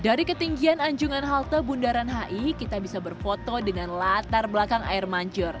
dari ketinggian anjungan halte bundaran hi kita bisa berfoto dengan latar belakang air mancur